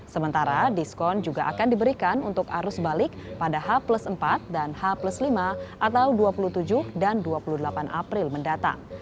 sementara diskon juga akan diberikan untuk arus balik pada h empat dan h lima atau dua puluh tujuh dan dua puluh delapan april mendatang